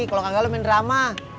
kalau kagak lo main drama